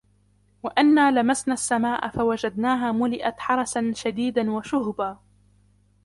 وَأَنَّا لَمَسْنَا السَّمَاءَ فَوَجَدْنَاهَا مُلِئَتْ حَرَسًا شَدِيدًا وَشُهُبًا